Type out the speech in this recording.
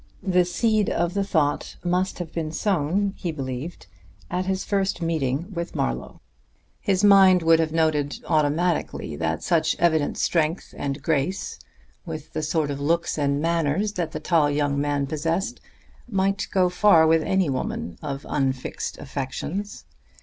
The seed of the thought must have been sown, he believed, at his first meeting with Marlowe; his mind would have noted automatically that such evident strength and grace, with the sort of looks and manners that the tall young man possessed, might go far with any woman of unfixed affections.